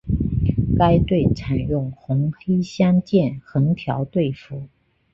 该队采用红黑相间横条队服。